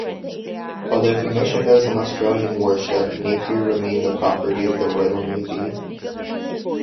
Although commissioned as an Australian warship, "Napier" remained the property of the Royal Navy.